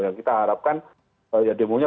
yang kita harapkan ya demonya